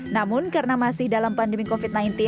namun karena masih dalam pandemi covid sembilan belas